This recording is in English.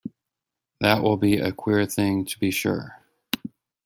That will be a queer thing, to be sure!